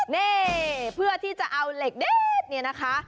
นี่เพื่อที่จะเอาเหล็กเด็ดเนี่ยนะคะ